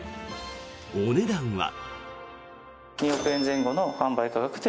お値段は。